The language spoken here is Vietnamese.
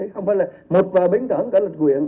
không phải là một bến cảng cả lịch quyền